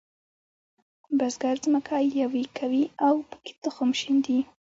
بزګر ځمکه یوي کوي او پکې تخم شیندي.